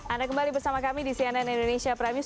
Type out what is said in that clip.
anda kembali bersama kami di cnn indonesia prime news